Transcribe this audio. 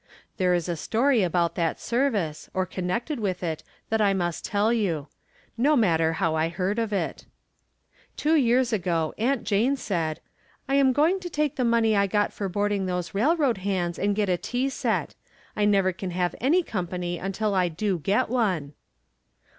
There is a story about that service, or connected with it, that I must teE you. (No matter how I heard of it.) ■ Two years ago Aunt Jane said :" I am going to take the money I got for boarding those railroad hands and get a tea set. I nevfer can have any company until I do get one."